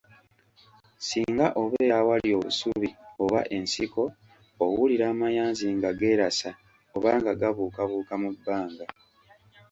Singa obeera awali obusubi oba ensiko owulira amayanzi nga geerasa obanga gabuukabuuka mu bbanga.